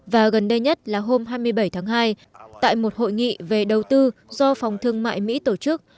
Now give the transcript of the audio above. và gần đây nhất là hôm hai mươi bảy tháng hai tại một hội nghị về đầu tư do phòng thương mại mỹ tổ chức